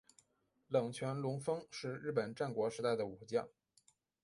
冷泉隆丰是日本战国时代的武将。